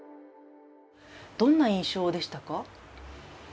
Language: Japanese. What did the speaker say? どんな印象でしたか？